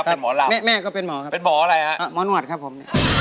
เป็นหมอลำแม่แม่ก็เป็นหมอครับเป็นหมออะไรฮะหมอนวดครับผมเนี่ย